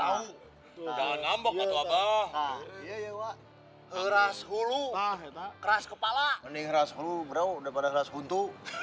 ini keras gulu bro daripada keras guntu